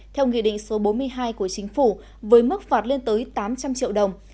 theo nghị định số bốn mươi hai của chính phủ với mức phạt lên tới tám trăm linh triệu đồng